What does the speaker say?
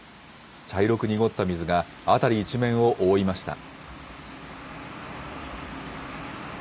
茶色く濁った水が辺り一面を覆いました。